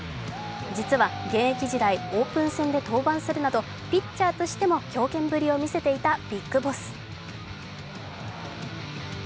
実は、現役時代オープン戦で登板するなどピッチャーとしても強肩ぶりを見せていたビッグボス。